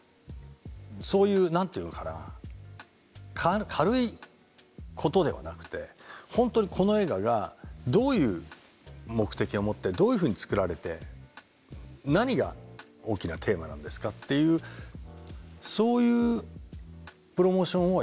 そういう何て言うのかな軽いことではなくてほんとにこの映画がどういう目的を持ってどういうふうに作られて何が大きなテーマなんですかっていうそういうプロモーションをやっぱりやったんですよね。